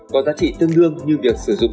có giá trị tương đương như việc sử dụng